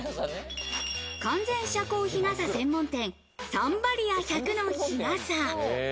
完全遮光日傘専門店、サンバリア１００の日傘。